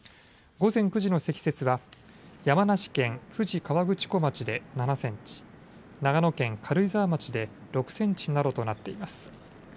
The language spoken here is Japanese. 午前９時の積雪は山梨県富士河口湖町で７センチ、長野県軽井沢町で６センチなどとなっています。